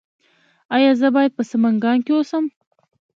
ایا زه باید په سمنګان کې اوسم؟